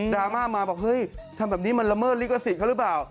รามาบอกเฮ้ยทำแบบนี้มันละเมิดลิขสิทธิ์เขาหรือเปล่า